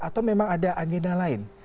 atau memang ada agenda lain